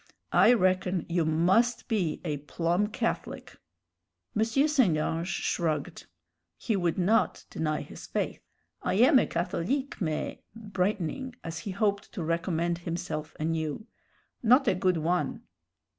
I reckon you must be a plum Catholic." M. St. Ange shrugged. He would not deny his faith. "I am a Catholique, mais" brightening as he hoped to recommend himself anew "not a good one."